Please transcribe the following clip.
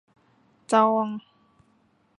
จอง